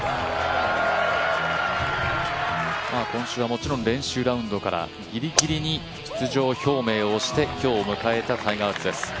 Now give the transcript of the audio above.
今週はもちろん練習ラウンドからぎりぎりに出場表明をして、今日を迎えたタイガー・ウッズです。